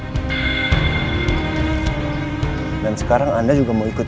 iqbal itu laki laki pengecut